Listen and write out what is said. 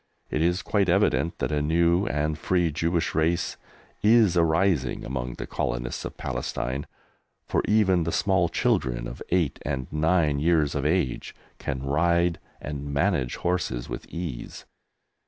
It is quite evident that a new and free Jewish race is arising among the colonists of Palestine, for even the small children of eight and nine years of age can ride and manage horses with ease.